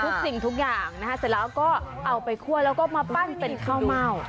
สิ่งทุกอย่างนะคะเสร็จแล้วก็เอาไปคั่วแล้วก็มาปั้นเป็นข้าวเม่า